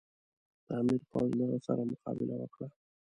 د امیر پوځ له هغه سره مقابله وکړه.